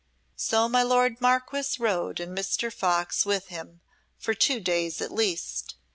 So my lord Marquess rode and Mr. Fox with him, for two days at least.